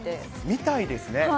みたいですね。